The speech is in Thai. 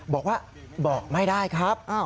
บอกว่าบอกไม่ได้ครับ